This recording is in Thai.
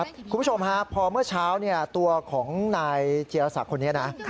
คุณผู้ชมฮะพอเมื่อเช้าตัวของนายเจียรศักดิ์คนนี้นะ